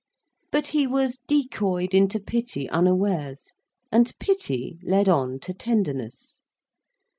But he was decoyed into pity unawares; and pity led on to tenderness.